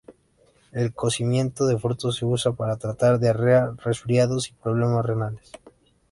El cocimiento de frutos se usa para tratar diarrea, resfriados, y problemas renales.